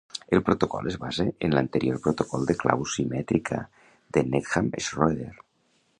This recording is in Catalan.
El protocol es basa en l'anterior protocol de clau simètrica de Needham-Schroeder.